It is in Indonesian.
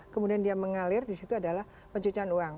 kemudian dia mengalir disitu adalah pencucian uang